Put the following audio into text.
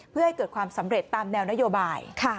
เพื่อให้เกิดความสำเร็จตามแนวนโยบาย